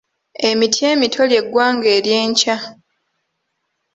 Emiti emito ly’eggwanga ery'enkya.